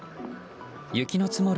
雪の積もる